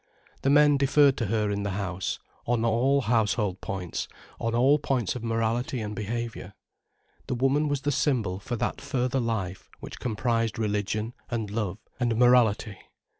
The men deferred to her in the house, on all household points, on all points of morality and behaviour. The woman was the symbol for that further life which comprised religion and love and morality.